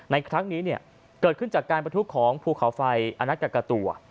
ในครั้งนี้เกิดขึ้นจากการประทุของภูเขาไฟอนักกากตัว